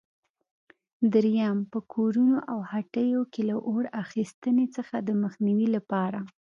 درېیم: په کورونو او هټیو کې له اور اخیستنې څخه د مخنیوي لپاره؟